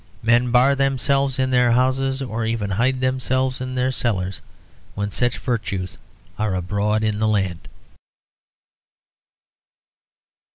Men bar themselves in their houses, or even hide themselves in their cellars, when such virtues are abroad in the land.